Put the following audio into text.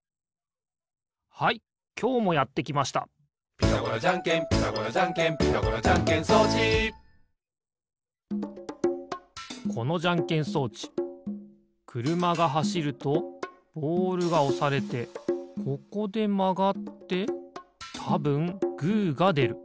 「ピタゴラじゃんけんピタゴラじゃんけん」「ピタゴラじゃんけん装置」このじゃんけん装置くるまがはしるとボールがおされてここでまがってたぶんグーがでる。